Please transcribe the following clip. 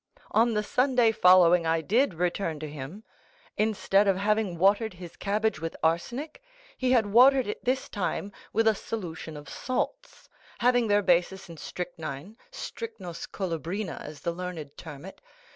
On the Sunday following I did return to him. Instead of having watered his cabbage with arsenic, he had watered it this time with a solution of salts, having their basis in strychnine, strychnos colubrina, as the learned term it.